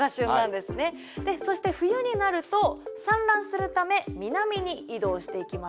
そして冬になると産卵するため南に移動していきます。